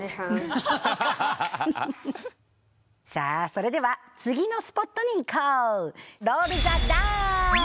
それでは次のスポットに行こう。